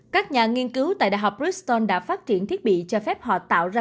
các nhà nghiên cứu tại đại học briston đã phát triển thiết bị cho phép họ tạo ra